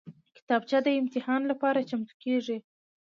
کتابچه د امتحان لپاره چمتو کېږي